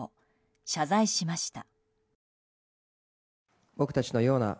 謝罪しました。